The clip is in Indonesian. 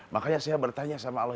makanya saya bertanya sama allah